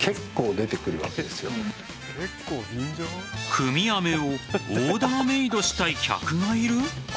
組み飴をオーダーメードしたい客がいる。